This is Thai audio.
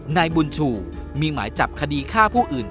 นายบุญชูมีหมายจับคดีฆ่าผู้อื่น